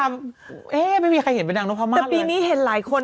แม่บะเดี๋ยวน้องท่านบอกมันหมดเวลาละ